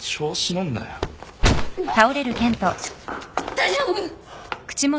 大丈夫！？